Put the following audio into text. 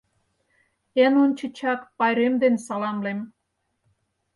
Эн ончычак пайрем дене саламлем...